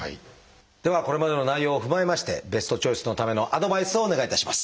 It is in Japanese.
ではこれまでの内容を踏まえましてベストチョイスのためのアドバイスをお願いいたします。